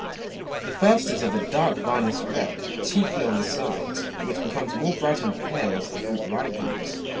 The First is of a dark vinous Red, chiefly on the sides, which becomes more bright and pale as the Fruit ripens.